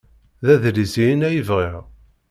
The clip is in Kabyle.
D adlis-ihin ay bɣiɣ.